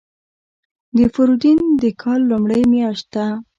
فروردین د کال لومړۍ میاشت ده.